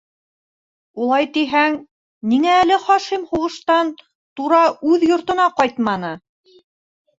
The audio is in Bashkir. Улай тиһәң, ниңә әле Хашим һуғыштан тура үҙ йортона ҡайтманы?